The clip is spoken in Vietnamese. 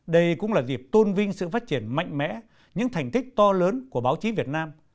đây cũng là dịp tôn vinh sự phát triển mạnh mẽ những thành tích to lớn của báo chí việt nam